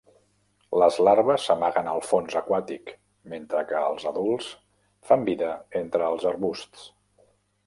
Les larves s'amaguen al fons aquàtic mentre que els adults fan vida entre els arbusts.